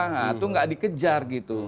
nah itu nggak dikejar gitu